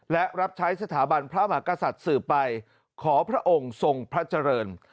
และรับใช้สถาบันพระมหากษัตริย์สืบไปขอพระองค์ทรงพระเจริญ